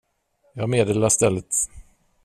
Jag meddelar stället.